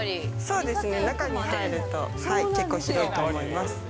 そうですね、中に入ると、結構広いと思います。